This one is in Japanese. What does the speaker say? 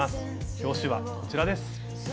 表紙はこちらです。